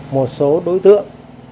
một số đối tượng